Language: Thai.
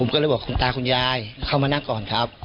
ผมก็เลยบอกคุณตาคุณยายเข้ามานั่งก่อนครับ